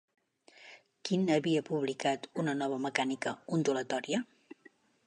Quin havia publicat una nova mecànica ondulatòria?